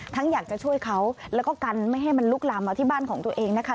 อยากจะช่วยเขาแล้วก็กันไม่ให้มันลุกลามมาที่บ้านของตัวเองนะคะ